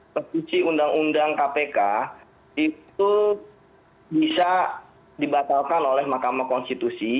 revisi undang undang kpk itu bisa dibatalkan oleh mahkamah konstitusi